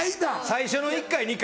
最初の１回２回？